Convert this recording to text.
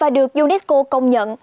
và được unesco công nhận